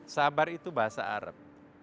sabar itu bahasa arab